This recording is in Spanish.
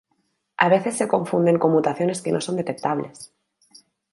A veces se confunden con mutaciones que no son detectables.